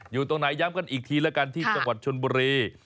อยู่ตรงไหนย้ำกันอีกทีแล้วกันที่จังหวัดชนบุรี